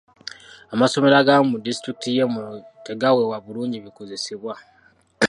Amasomero agamu mu disitulikiti y'e Moyo tegaweebwa bulungi bikozesebwa.